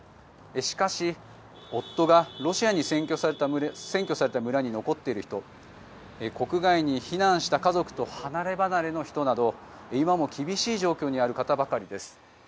しかし、夫がロシアに占拠された村に残っている人国外に避難した家族と離れ離れの人など今も厳しい状況にある方ばかりです。